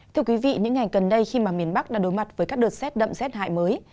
thưa quý vị những ngày gần đây khi mà miền bắc đang đối mặt với các đợt rét đậm rét hại mới